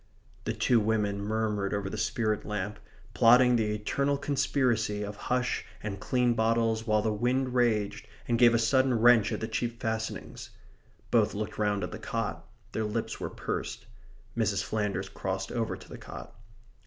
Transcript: The two women murmured over the spirit lamp, plotting the eternal conspiracy of hush and clean bottles while the wind raged and gave a sudden wrench at the cheap fastenings. Both looked round at the cot. Their lips were pursed. Mrs. Flanders crossed over to the cot.